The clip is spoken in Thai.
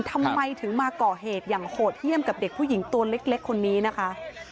ทำไมถึงมาก่อเหตุอย่างโหดเยี่ยมกับเด็กผู้หญิงตัวเล็กคนนี้นะคะ